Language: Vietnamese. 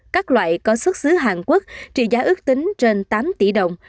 các loại có xuất xứ hàn quốc trị giá ước tính trên tám tỷ đồng